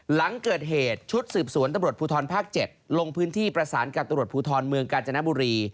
หลังเกิดเหตุชุดสืบสวนตำรวจภูทรภาค๗ลงพื้นที่ประสานกับตำรวจภูทรเมืองกาญจนบุรี